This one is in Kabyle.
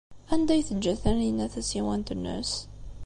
Anda ay teǧǧa Taninna tasiwant-nnes?